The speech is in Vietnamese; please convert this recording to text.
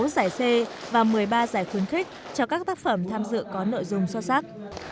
sáu giải c và một mươi ba giải khuyến khích cho các tác phẩm tham dự có nội dung xuất sắc